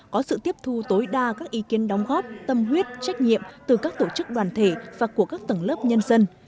có sự tiếp thu tối đa các ý kiến đóng góp tâm huyết trách nhiệm từ các tổ chức đoàn thể và của các tầng lớp nhân dân